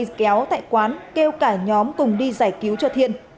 lâm đã nhéo tại quán kêu cả nhóm cùng đi giải cứu cho thiên